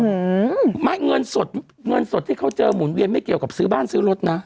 อืมไม่เงินสดเงินสดที่เขาเจอหมุนเวียนไม่เกี่ยวกับซื้อบ้านซื้อรถนะ